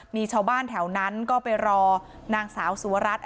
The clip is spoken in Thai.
มีชาวบ้านแถวนั้นก็ไปรอนางสาวสุวรัตน์